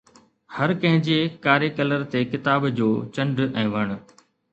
هر ڪنهن جي ڪاري ڪالر تي ڪتاب جو چنڊ ۽ وڻ